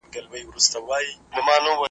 خدای بېشکه مهربان او نګهبان دی .